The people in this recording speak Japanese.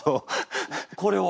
これを。